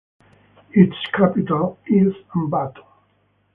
Its capital is Ambato.